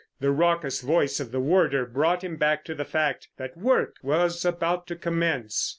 The raucous voice of the warder brought him back to the fact that work was about to commence.